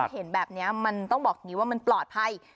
แล้วเห็นแบบนี้มันต้องบอกว่ามันปลอดภัย